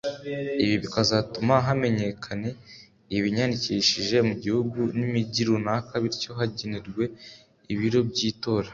ibi bikazatuma hamenyekane abiyandikishije mu gihugu n’imijyi runaka bityo bagenerwe ibiro by’itora